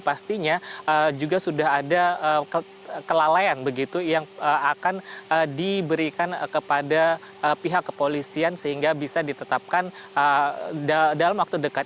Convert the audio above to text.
pastinya juga sudah ada kelalaian begitu yang akan diberikan kepada pihak kepolisian sehingga bisa ditetapkan dalam waktu dekat